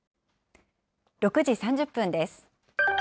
６時３０分です。